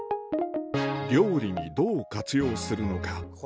料理にどう活用するのか？